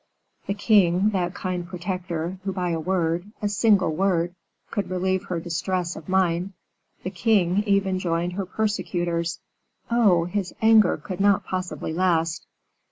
The king, that kind protector, who by a word, a single word, could relieve her distress of mind, the king even joined her persecutors. Oh! his anger could not possibly last.